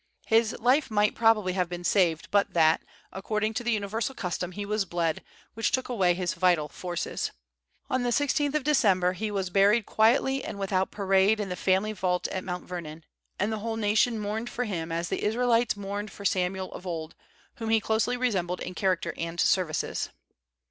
His life might probably have been saved but that, according to the universal custom, he was bled, which took away his vital forces. On the 16th of December he was buried quietly and without parade in the family vault at Mount Vernon, and the whole nation mourned for him as the Israelites mourned for Samuel of old, whom he closely resembled in character and services.